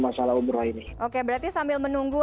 masalah umroh ini oke berarti sambil menunggu